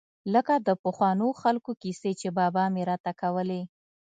لکه د پخوانو خلقو کيسې چې بابا مې راته کولې.